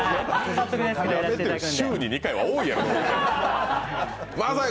週に２回は多いやろ。